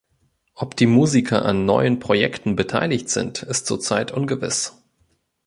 Ob die Musiker an neuen Projekten beteiligt sind, ist zurzeit ungewiss.